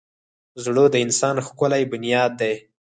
زړه د انسان ښکلی بنیاد دی.